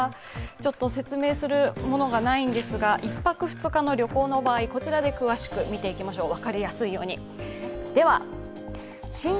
ちょっと説明するものがないんですが１泊２日の旅行の場合、こちらで見ていきましょう。